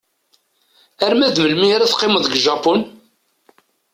Arma d melmi ara teqqimem deg Japun?